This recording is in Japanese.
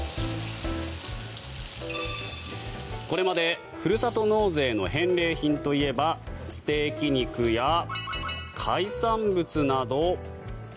これまでふるさと納税の返礼品といえばステーキ肉や海産物など。